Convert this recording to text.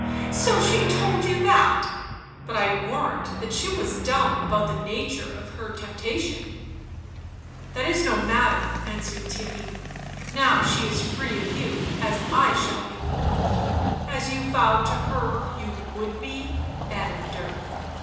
" So she told you that 1 But I warrant that she ,was dumb about the nature of her temptation !" ''That is no matter," answered Theirry; "now she is free of you, as I shall be "/" As you vowed to her you would be," added Dirk.